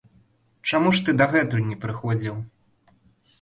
Чаму ж ты дагэтуль не прыходзіў?